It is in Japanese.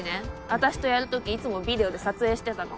私とヤるときいつもビデオで撮影してたの。